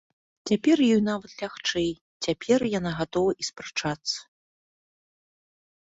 Цяпер ёй нават лягчэй, цяпер яна гатова й спрачацца.